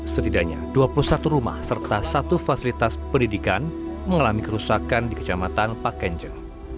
setidaknya dua puluh satu rumah serta satu fasilitas pendidikan mengalami kerusakan di kecamatan pak kenje